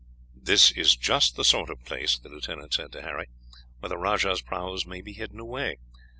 "This is just the sort of place," the lieutenant said to Harry, "where the rajah's prahus may be hidden away.